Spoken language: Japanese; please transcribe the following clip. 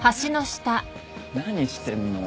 何してんの？